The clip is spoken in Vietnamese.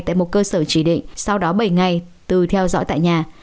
tại một cơ sở chỉ định sau đó bảy ngày từ theo dõi tại nhà